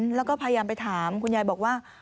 แล้วก็พยายามไปถามคุณยายบอกว่า